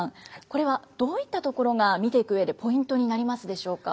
これはどういったところが見ていく上でポイントになりますでしょうか？